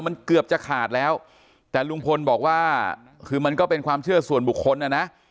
มันเกือบจะขาดแล้วแต่ลุงพลบอกว่าคือมันก็เป็นความเชื่อส่วนบุคคลนะนะ